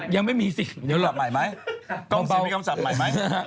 ยังไม่มีสิเดี๋ยวหลับใหม่ไหม